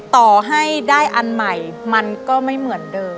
ต่อให้ได้อันใหม่มันก็ไม่เหมือนเดิม